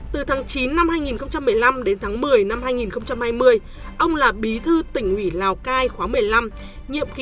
từ tháng chín năm hai nghìn một mươi năm đến tháng một mươi năm hai nghìn hai mươi ông là bí thư tỉnh ủy lào cai khóa một mươi năm nhiệm kỳ hai nghìn hai mươi hai nghìn hai mươi